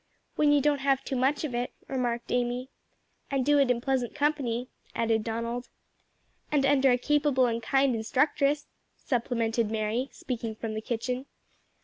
"When you don't have too much of it," remarked Amy. "And do it in pleasant company," added Donald. "And under a capable and kind instructress," supplemented Mary, speaking from the kitchen.